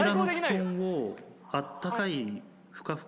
あったかい。